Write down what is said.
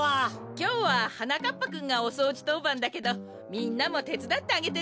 きょうははなかっぱくんがおそうじとうばんだけどみんなもてつだってあげてね！